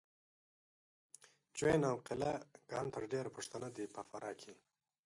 جوین او قلعه کا هم تر ډېره پښتانه دي په فراه کې